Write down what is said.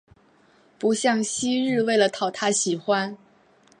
不像昔日为了讨他喜欢